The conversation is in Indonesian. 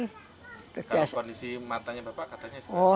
kalau kondisi matanya bapak katanya